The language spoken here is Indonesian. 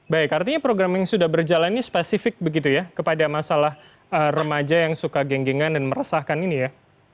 baik artinya program yang sudah berjalan ini spesifik begitu ya kepada masalah remaja yang suka genggengan dan meresahkan ini ya